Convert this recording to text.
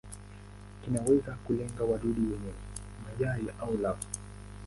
Kinaweza kulenga wadudu wenyewe, mayai au lava.